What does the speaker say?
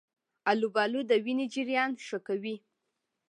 آلوبالو د وینې جریان ښه کوي.